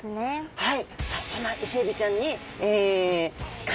はい。